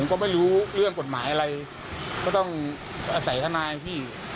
ก็ไม่รู้เรื่องกฎหมายอะไรก็ต้องอาศัยทนายพี่